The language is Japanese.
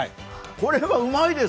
これはうまいです！